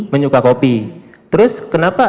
menyuka kopi terus kenapa